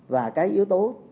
và cái yếu tố